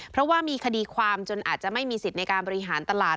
เพราะว่ามีคดีความจนอาจจะไม่มีสิทธิ์ในการบริหารตลาด